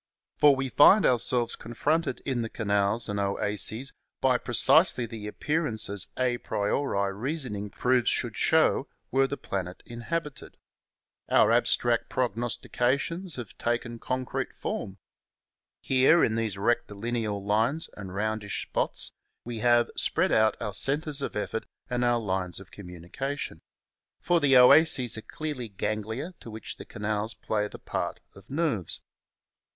For we find ourselves confronted in the canals and oases by pre cisely the appearances a priori reasoning proves should show were the planet inhabited. Our abstract prog nostications have taken concrete form. Here in these rectilineal lines and roundish spots we have spread out our centres of effort and our lines of communication. For the oases are clearly ganglia to which the canals play the part of nerves.